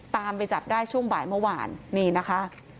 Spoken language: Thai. ไปจับได้ช่วงบ่ายเมื่อวานนี่นะคะ